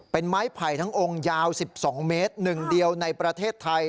เป็นไม้ไผ่ทั้งองค์ยาว๑๒เมตรหนึ่งเดียวในประเทศไทย